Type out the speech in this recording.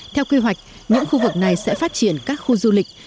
theo quy hoạch những khu vực này sẽ phát triển các khu du lịch